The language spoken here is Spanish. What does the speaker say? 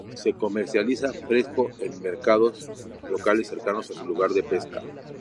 Se comercializa fresco en mercados locales cercanos a su lugar de pesca.